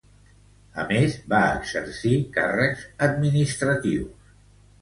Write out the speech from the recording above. A més, va exercir càrrecs administratius.